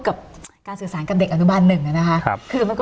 กับการสื่อสารกับเด็กอนุมานหนึ่งน่ะค่ะครับคือมันก็